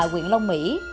quyện long mỹ